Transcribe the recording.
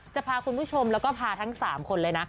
จะพาคุณผู้ชมแล้วก็พาทั้ง๓คนเลยนะ